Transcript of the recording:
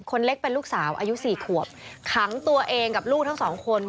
คนเล็กเป็นลูกสาวอายุ๔ขวบขังตัวเองกับลูกทั้งสองคน